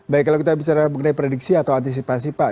baik kalau kita bicara mengenai prediksi atau antisipasi pak